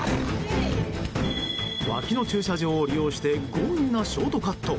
脇の駐車場を利用して強引なショートカット。